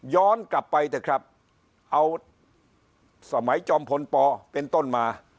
ย้อนกลับไปเถอะครับเอาสมัยจอมพลปเป็นต้นมา